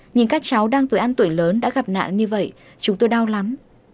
nhưng các cháu đang tuổi ăn tuổi lớn đã gặp nạn như vậy chúng tôi đau lắm